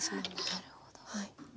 なるほど。